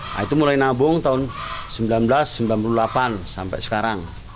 nah itu mulai nabung tahun seribu sembilan ratus sembilan puluh delapan sampai sekarang